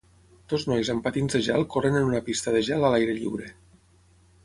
Dos nois amb patins de gel corren en una pista de gel a l'aire lliure.